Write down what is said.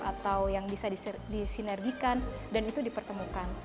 atau yang bisa disinergikan dan itu dipertemukan